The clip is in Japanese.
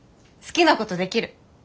好きなことできる。